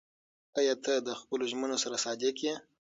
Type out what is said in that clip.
ایا ته د خپلو ژمنو سره صادق یې؟